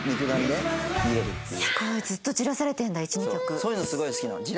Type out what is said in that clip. そういうのすごい好きなの。